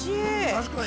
◆確かに。